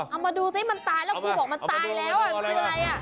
เอามาดูซิมันตายแล้วครูบอกมันตายแล้วมันคืออะไรอ่ะ